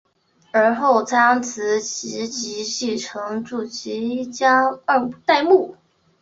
而后仓持直吉继承住吉一家二代目。